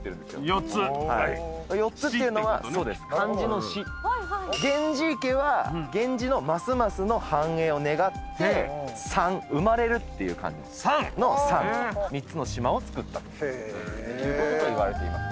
４つっていうのは漢字の「死」源氏池は源氏のますますの繁栄を願って産まれるっていう漢字の「産」３つの島を造ったということといわれています。